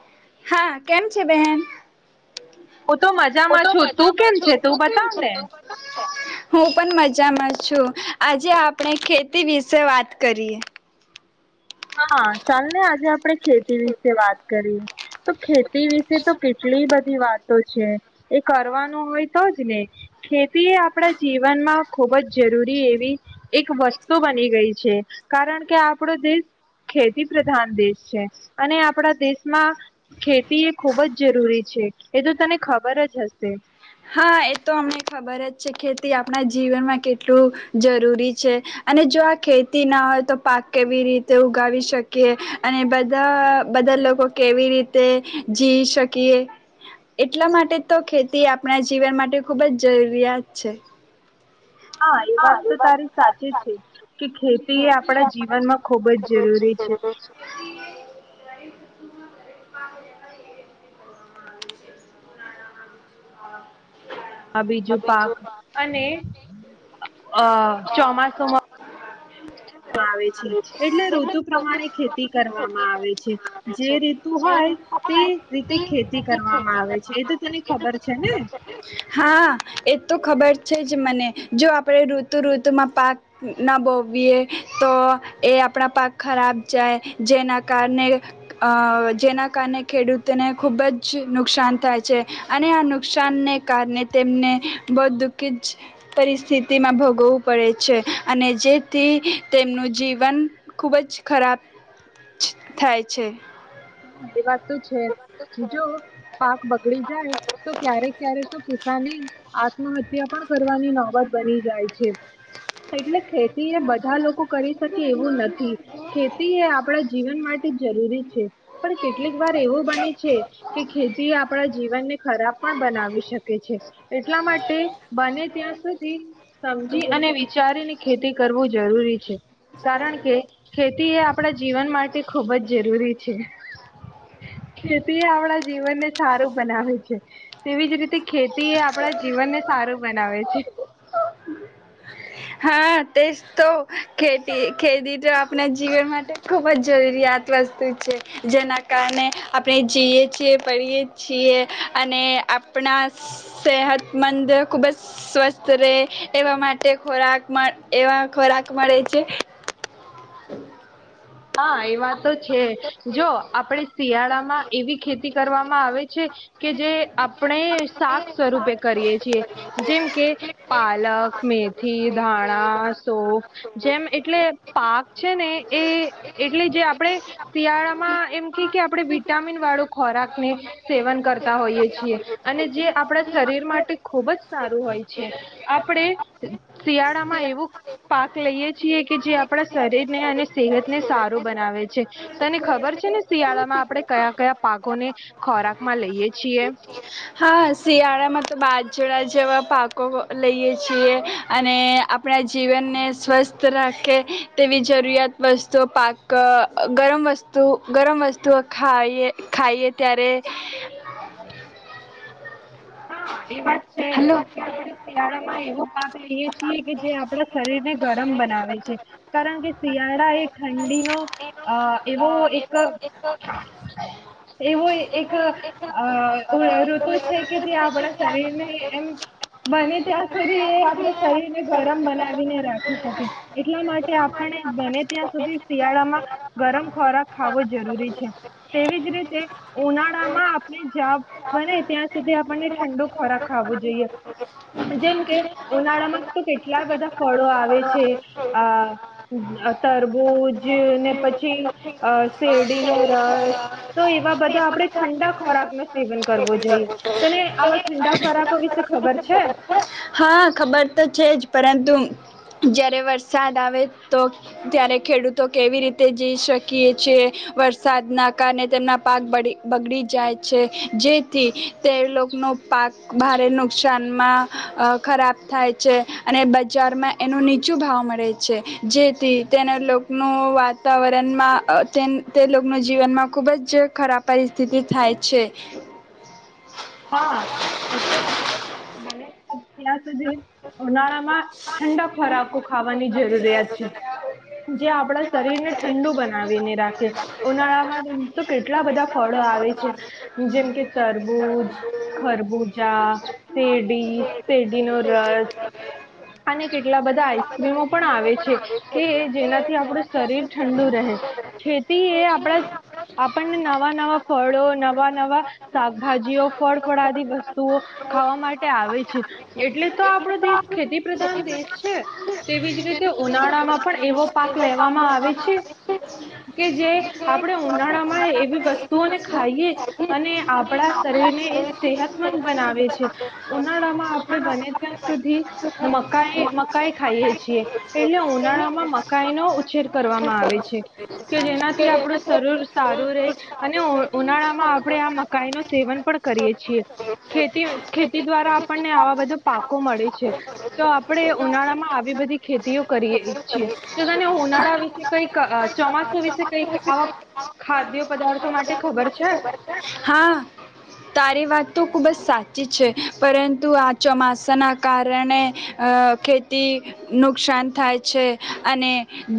[inaudible] હા કેમ છે બેહેન? હું તો મજામાં છું. તું કેમ છે? તું બતાવ ને? હું પણ મજામાં છું. આજે આપણે ખેતી વિશે વાત કરીએ. હા ચાલ ને આજે આપણેે ખેતી વિશે વાત કરીએ. તો ખેતી વિશે તો કેટલી બધી વાતો છે. એ કરવાનું હોય તો જ નેે તે આપણા જીવનમાં ખુબ જ જરૂરી એવી એક વસ્તુ બની ગઈ છે. કારણ કે આપણો દેશ ખેતી પ્રધાન દેશ છે. અને આપણા દેશમાં ખેતી એ ખૂબ જ જરૂરી છે. એ તો તને ખબર જ હશે. હા એ તો અમને ખબર જ છે. ખેતી આપણા જીવનમાં કેટલું જરૂરી છે. અને જો આ ખેતી ના હોય તો પાક કેવી રીતે ઉગાવી શકીએ. અને બધા બધા લોકો કેવી રીતે જી શકીએ. એટલા માટે તો ખેતી આપણા જીવન માટે ખૂબ જ જરૂરિયાત છે. હા એ વાત તો તારી સાચી છે. કે ખેતી એ આપણા જીવનમાં ખૂબ જ જરૂરી છે. [inaudible] આ બીજું પાક અને અ ચોમાસુંમાં આવે છે. એટલે ઋતુ પ્રમાણે ખેતી કરવામાં આવે છે. જે ઋતુ હોય તે રીતે ખેતી કરવામાં આવે છે. એ તો તેને ખબર છે ને? એ તો ખબર છે જ મને જો આપણે ઋતુઋતુમાં પાક ન બોવીવીએ તો એ આપણા પાક ખરાબ જાય. જેના કારણે અ જેના કારણે ખેડૂતોને ખૂબ જ નુકસાન થાય છે. અને આ નુકસાનને કારણે તેમને બહુ દુઃખી જ પરિસ્થિતિમાં ભોગવવું પડે છે. અને જેથી તેમનું જીવન ખૂબ જ ખરાબ થાય છે. [inaudible] છે જો પાક બગડી જાય તો ક્યારેક ક્યારેક તો કિસાને મ હત્યા પણ કરવાની નોબત બની જાય છે એટલે ખેતી એ બધા લોકો કરી શકે એવું નથી ખેતી એ આપડા જીવન માટે જરૂરી છે. કેટલીક વાર એવું બને છે કે ખેતી આપડા જીવનને ખરાબ પણ બનાવી શકે છે એટલા માટે બને ત્યાં સુધી સમજી અને વિચારીને ખેતી કરવું જરૂરી છે. કારણ કે ખે એ આપડા જીવન માટે ખુબ જ જરૂરી છે. ખેતી એ આપડા જીવનને સારું બનાવે છે તેવીજ રીતે ખેતી એ આપડા જીવનને સારું બનાવે છે. હા તેજ તો ખેતી ખેતી તો આપણા જીવન માટે ખુબ જ જરૂરિયાત વસ્તુ છે જેના કારણે આપણે જીયે છીએ પડીએ છીએ અને આપણા સેહતમંદ ખુબ જ સ્વસ્થ રહે એવા મા ટે ખોરાકમાં એવા ખોરાક મળે છે. હા એ વા તો છે જો આપડે શિયાળામાં એવી ખેતી કરવામાં આવે છે કે જે આપડે શાક સ્વરૂપે કરીએ છીએ જેમ કે પાલક મેથી ધાણા સોફ જેમ એટલે પાક છે ને એ એટલે જે આપડે શિયાળામાં એમ કે કે આપડે વિટામિન વાળો ખોરાકને સેવન કરતા હોઈએ છીએ અને જે આપડા શરીર માટે ખુબ જ સારું હોય છે આપડે શિયાળામાં એવું પાક લઈએ છીએ કે જે આપડા શરીરને અને સેહતને સારું બનાવે છે તને ખબર છે ને શિયાળામાં આપડે કયા કયા પાકોને ખોરાક માં લઈયએ છીએ. હા શિયાળામાં તો બાજડા જેવા પાકો લઈએ છીએ અને આપડા જીવનને સ્વસ્થ રાખે તેવી જરૂરિયાત વસ્તુઓ પાક ક ગરમ વસ્તુ ગરમ વસ્તુઓ ખાઈયે ખાઈયે ત્યારે હા એ વાત છે કે આપડે શિયાળામાં એવું પાક લઈએ છીએ કે જે આપડા શરીર ને ગરમ બનાવે છે કારણ કે શિયાળા એ ઠંડીનો અ એવો એક એવો એક અ ઋતુ છે. કે આપડા શરીરને એમ બને ત્યાં સુધી એ આપડા શરીર ને ગરમ બનાવીને રાખી શકે એટલા માટે આપણે બને ત્યાં સુધી સી શિયાળામાં ગરમ ખોરાક ખાવો જરૂરી છે તેવી જ રીતે ઉનાળામાં આપણે જ્યાં બને ત્યાં સુધી આપણને ઠંડુ ખોરાક ખાવું જોઈએ. જેમ કે ઉનાળામાં તો કેટલા બધા ફળો આવે છે. અ તરબૂજ જે ને પછી અ શેરડીનો રસ તો એવા બધા આપડે ઠંડા ખોરાક નો સેવન કરવો જોઈએ. હા ખબર તો છે જ પરંતું જ્યારે વરસાદ આવે તો ત્યારે ખેડૂત તો કેવી રીતે જઈ શકીએ છે. વરસાદના કારણે તેમના પાક બડી બગડી જાય છે. જેથી તે લોકોનો પાક ભારે નુકસાનમાં અ ખરાબ થાય છે અને બજારમાં એનું નીચું ભાવ મળે છે જેથી તેના લોક નું વાતાવરણમાં અ તે લોકનું જીવનમાં ખુબ જ ખરાબ પરિસ્થિતિ થાય છે. હા એટલે આપડે બને તા ત્યાં સુધી ઉનાળામાં ઠંડા ખોરાકો ખાવાની જરૂરિયાત છે. જ્યાં આપડા શરીરને ઠંડુ બનાવીને રાખે ઉનાળામાં તો કેટલા બધા ફલો આવે છે. જેમકે તરબૂજ ખરબુજા, શેરડી તે રડીનો રસ અને કેટલા બધા આઈસ્ક્રીમો પણ આવે છે કે જેનાથી આપડુ શરીર ઠંડુ રહે. ખેતી એ આપડા આપણને નવા નવા ફળો નવા નવા શાકભાજીઓ ફળફળાદી વસ્તુઓ ખાવા માટે આવે છે. એટલે તો આપડો દેશ ખેતી પ્રધાન દેશ છે તેવીજ રીતે ઉનાળામાં પણ એવો પાક લેવામાં આવે છે કે જે આપડે ઉનાળામાં એવી વસ્તુઓને ખાઈએ અને આપડા શરીરને તે સેહતમંદ બનાવે છે. ઉનાળામાં આ આપણે બને ત્યાં સુધી મકાઈ મકાઈ ખાઈએ છીએ. એટલે ઉનાળામાં મકાઈ નો ઉછેર કરવામાં આવે છે કે જેનાથી આપણું શરીર સારું રહે અને ઉનાળામાં આપણે આ મકાઈ નો સેવન પણ કરી એ છીએ ખે ખેતી દ્વારા આપણને આવા બધો પાકો મળે છે. તો આપણે ઉનાળા માં આવી બધી ખેતીઓ કરીએ છીએ. તો તને ઉનાળા વિશે કઈક ચોમાસું વિશે કઈક આવા ખાદ્ય પદાર્થો માટે ખબર છે? તારી વાત તો ખૂબ જ સાચી છે. પરં તુ આ ચોમાસાના કારણે અ ખેતી નુકસાન થાય છે અને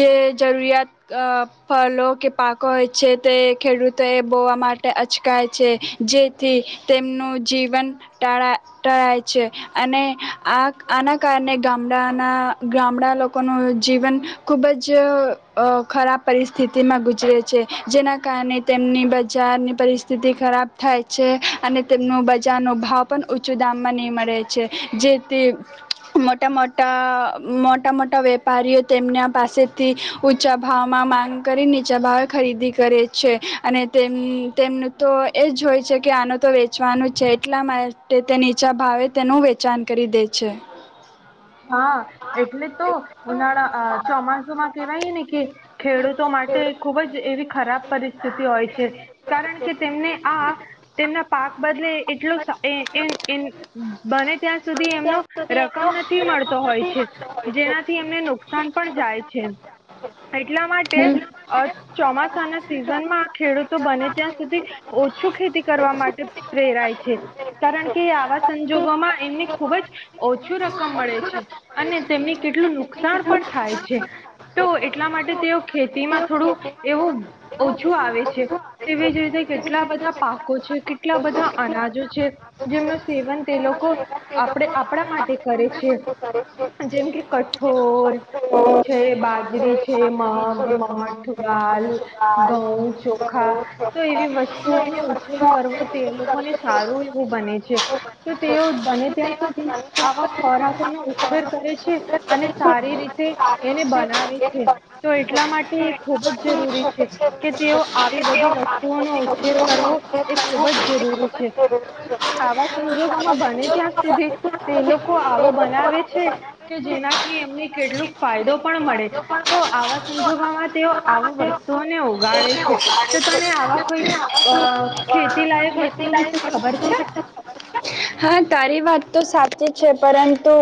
જે જરૂરિયાત અ ફળ કે પાકો હોય છે તે ખેડૂતોએ બોવા માટે અચકાય છે. જેથી તેમનું જીવન ટાળા ટાય છે અને આ આના કારણે ગામડાના ગામડા લોકોનું જીવન ખૂબ જ અ ખરાબ પરિસ્થિતિમાં ગુજરે છે. જેના કારણે તેમની બજારની પરિસ્થિતિ ખરાબ થાય છે અને તેમનું બજારનો ભાવ પણ ઊચું દામમાં નહીં મળે છે. જેથી મોટા મોટા મોટા મોટા વેપારીઓ તેમના પાસેથી ઊંચા ભાવમાં માંગ કરી નીચા ભાવે ખરીદી કરે છે અને તેમ તેમનું તો એ જ હોય છે કે આનો તો વેચવાનું છે. એટલા મા ટે તે નીચા ભાવે તેનું વેચાણ કરી દે છે. હા, એટલે તો ઉનાળા અ ચોમાસુંમાં કેહેવાય ને કે ખેડૂતો માટે ખુબ જ એવી ખરાબ પરિસ્થિતિ હોય છે. કારણ કે તેમને આ તેમના પાક બદલે એટલો એ એ એ બને ત્યાં સુધી એમનો રકમ નથ થી મળતો હોય છે. જેનાથી એમને નુકસાન પણ જાય છે. એટલા માટે અ ચોમાસાના સિઝનમાં ખેડૂતો બને ત્યાં સુધી ઓછું ખેતી કરવા માટે પ્રેરાય છે. કારણ કે આવા સંજોગોમાં એમને ખુબ જ ઓછું રક કમ મળે છે અને તેમને કેટલું નુકસાન પણ થાય છે. તો એટલા માટે તેઓ ખેતીમાં થોડું એવું ઓછું આવે છે. તેવી જ રીતે કેટલા બધા પાકો છે એટલા બધા અનાજો છે જેમનું સેવન તે લોકો આપણે આપણા માટે કરે છે. જેમ કે કઠોર છે, બાજરી છે, મગ, મઠ, વાલ, ઘઉં, ચોખા તો એવી વસ્તુઓનો ઉછેર કરવો તે લોકોને સારું એવું બને છે. છે. તો તેઓ બને ત્યાં સુધી આવા ખોરાકો નો ઉછેર કરે છે અને સારી રીતે એને બનાવે છે તો એટલા માટે એ ખૂબ જ જરૂરી છે [unintelligible] એ લોકો આવું બનાવે છે કે જેનાથી એમને કેટલક ફાયદો પણ મળે તો આવા સંજોગોમાં તેઓ આ વસ્તુઓને ઓગાડે છે કે તને આવા કોઈ અ [unintelligible] તારી વાત તો સાચી છે પરંતુ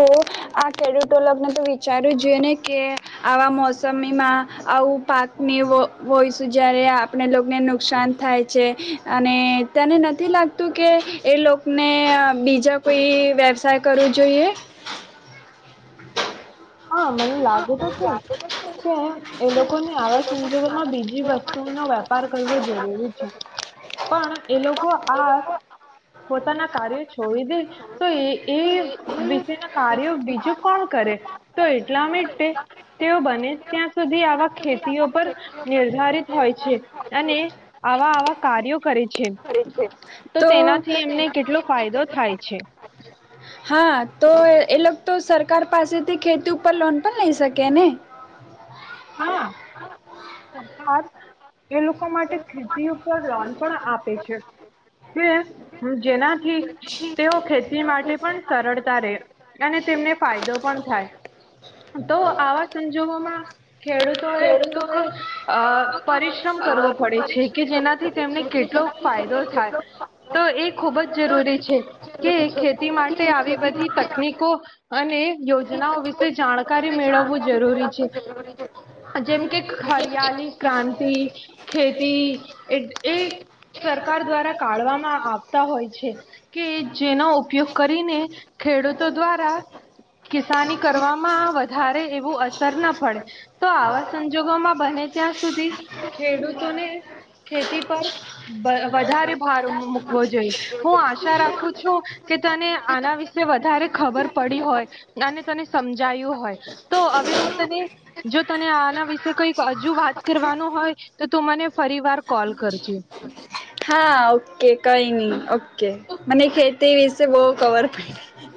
આ ખેડૂતો લગને તો વિચારવું જોઈએ ને કે આવા મોસમીમાં આવું પાકની હોઈશું જ્યારે આપણે લોને નુકસાન થાય છે અને મને નથી લાગતું કે એ લોકોને બીજા કોઈ વ્યવસાય કરવો જોઈએ. હા મને લાગ એ તો છે કે [unintelligible] આવા સંજોગોમાં બીજી વસ્તુ નો વેપાર કરવો જોઈએ પણ એ લોકો આ પોતાના કાર્યો છોડી દે તો એ એ વિષના કાર્યો બીજું કોણ કરે. તો એટલા માટે તેઓ બને ત્યાં સુધી આવા ખેતીઓ પર નિર્ધારિત હોય છે અને આવા આવા કાર્યો કરે છે તો તેનાથી એમને કેટલો ફાયદો થાય છે હા તો એ લોકો તો સરકાર પાસેથી ખેતી ઉપર લોન પણ લઈ શકે ને. હા, [inaudible] એ લોકો માટે ખેતી ઉપર લોન પણ આપે છે, કે જેનાથી તેઓ ખેતી માટે પણ સરળતા રહે. અને તેમને ફાયદો પણ થાય. તો આવા સંજોગોમાં. ખેડૂતોને થોડુંક અ પરિશ્રમ કરવો પડે છે કે જેનાથી. તેમને કેટલો ફાયદો. થાય, તો એ ખૂબ જ જરૂરી છે, કે ખેતી માટે આવી બધી તકનીકો અને યોજનાઓ વિશે જાણકારી મેળવવું જરૂરી છે. જેમ કે, હરિયાલી ક્રાંતિ ખેતી એ સરકાર દ્વારા કાઢવામાં આવતા હોય છે, કે જેના ઉપયોગ કરીને ખેડૂતો દ્વારા કિસાની કરવામાં વધારે એવું અસર ના પડે. તો આવા સંજોગોમાં બને ત્યાં સુધી ખેડૂતોને ખેતી પર વધારે ભાર મૂકવો જોઈએ. હું આશા રાખું છું, કે તને આના વિશે વધારે ખબર પડી હોય. અને તને સમજાયું હોય. તો હવે હું તને. જો તને આના વિશે કઈક હજુ વાત કરવાનું હોય, તો તું મને ફરી વાર કોલ કરજે. હા, ઓકે કઈ ની ઓકે. મને ખેતી વિશે બહ ખબર પયડી.